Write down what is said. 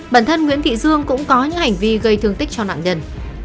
bản thân nguyễn thị dương cũng có những hành vi gây thương tích cho nạn nhân